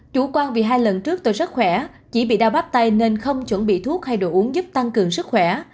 chủ quan vì hai lần trước tôi sức khỏe chỉ bị đau bắp tay nên không chuẩn bị thuốc hay đồ uống giúp tăng cường sức khỏe